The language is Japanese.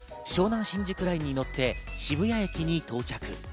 男性は湘南新宿ラインに乗って渋谷駅に到着。